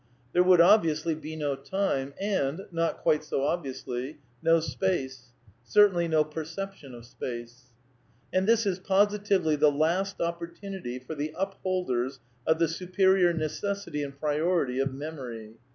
There would, obviously, be no time, and (not quitp so obviously) no space. Certainly no perception of space. And this is positively the last opportunity for the up holders of the superior necessity and priority of Memory.